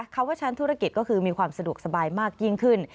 คำว่าชั้นธุรกิจก็คือมีความสะดวกสบายมากยิ่งขึ้น